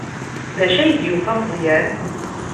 D acu ay d-yufa Meẓyan?